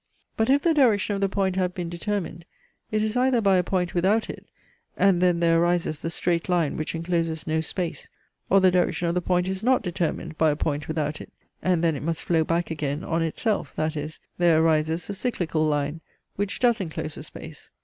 But if the direction of the point have been determined, it is either by a point without it, and then there arises the straight line which incloses no space; or the direction of the point is not determined by a point without it, and then it must flow back again on itself, that is, there arises a cyclical line, which does enclose a space.